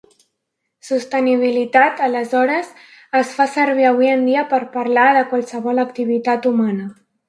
Sostenibilitat aleshores, es fa servir avui en dia per parlar de qualsevol activitat humana.